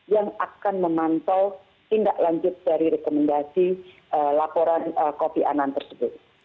yang akan memantau tindak lanjut dari rekomendasi laporan kopi anan tersebut